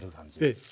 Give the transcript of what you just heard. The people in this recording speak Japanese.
ええ。